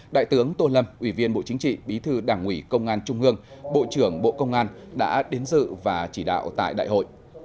đại tướng tô lâm ủy viên bộ chính trị bí thư đảng ủy công an trung ương bộ trưởng bộ công an đã đến dự và chỉ đạo tại đại hội